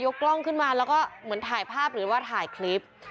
กล้องขึ้นมาแล้วก็เหมือนถ่ายภาพหรือว่าถ่ายคลิป